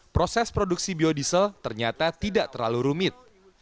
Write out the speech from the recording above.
proses produksi biodiesel ternyata tidak terlalu rumit